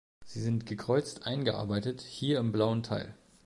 Sie sind gekreuzt eingearbeitet, hier im blauen Teil.